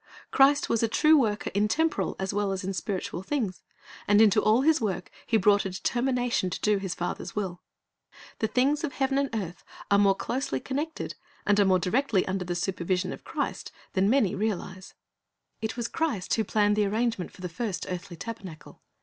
Christ was a true worker in temporal as well as in spiritual things, and into all His work He brought a determination to do His Father's will. The things of heaven and earth are more closely connected, and are more directly under the supervision of Christ, than many realize. 1 1 Cor. 6 : 19, 20 Tale n t s 349 It was Christ who planned the arrangement for the first earthly tabernacle.